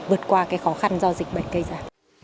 vượt qua khó khăn do dịch bệnh cây giả